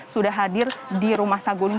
sudah hadir di rumah sagun